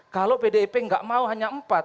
kalau pdp gak mau hanya empat